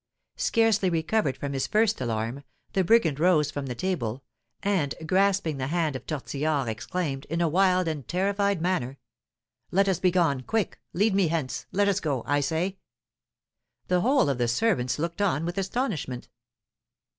Scarcely recovered from his first alarm, the brigand rose from the table, and, grasping the hand of Tortillard, exclaimed, in a wild and terrified manner: "Let us be gone! quick! lead me hence. Let us go, I say." The whole of the servants looked on with astonishment.